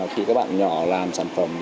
khi các bạn nhỏ làm sản phẩm